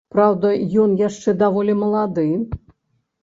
Праўда, ён яшчэ даволі малады.